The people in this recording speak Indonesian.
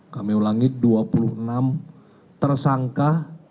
kami ulangi dua puluh enam tersangka